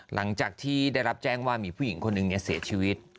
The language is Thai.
หลังจากที่ได้รับแจ้งว่ามีผู้หญิงคนหนึ่งเสียชีวิต